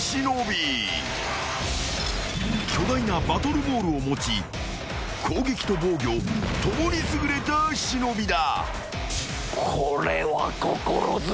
［巨大なバトルボールを持ち攻撃と防御共に優れた忍だ］